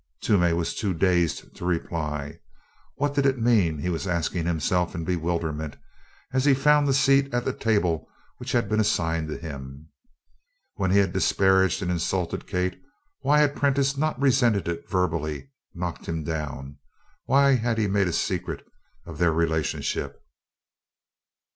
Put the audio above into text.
Toomey was too dazed to reply. What did it mean, he was asking himself in bewilderment as he found the seat at the table which had been assigned him. When he had disparaged and insulted Kate, why had Prentiss not resented it verbally, knocked him down? Why had he made a secret of their relationship?